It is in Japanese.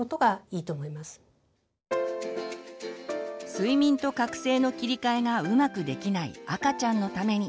睡眠と覚醒の切り替えがうまくできない赤ちゃんのために。